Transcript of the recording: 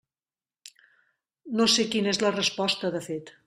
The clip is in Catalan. No sé quina és la resposta, de fet.